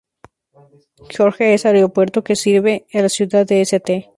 George es un aeropuerto que sirve a la ciudad de St.